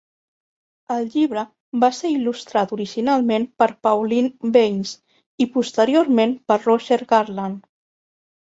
El llibre va ser il·lustrat originalment per Pauline Baynes i posteriorment per Roger Garland.